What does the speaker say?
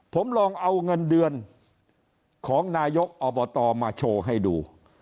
ผมลองเอาเงินเดือนของนายกอบตมาโชว์ให้ดู